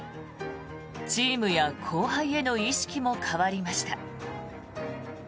チームや後輩への意識も変わりました。